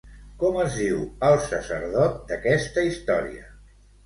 Com es diu el sacerdot d'aquesta història?